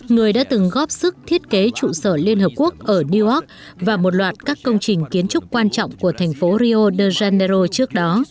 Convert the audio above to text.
người đã từng góp sức thiết kế trụ sở liên hợp quốc ở new york và một loạt các công trình kiến trúc quan trọng của thành phố rio de janeiro trước đó